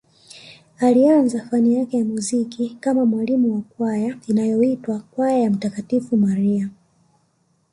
Alianza fani yake ya muziki kama mwalimu wa kwaya inayoitwa kwaya ya mtakatifu Maria